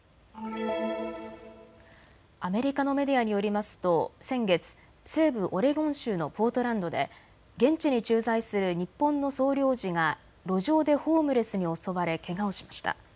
アメリカのメディアによりますと先月、西部オレゴン州のポートランドで現地に駐在する日本の総領事が路上でホームレスに襲われけがをしました。